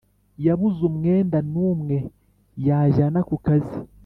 yabuze umwenda n’umwe yajyana ku kazi